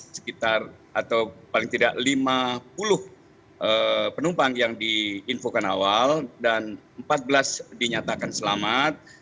sekitar atau paling tidak lima puluh penumpang yang diinfokan awal dan empat belas dinyatakan selamat